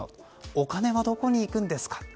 お金はどこに行くんですか。